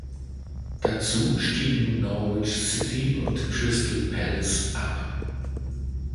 Dazu stiegen Norwich City und Crystal Palace ab.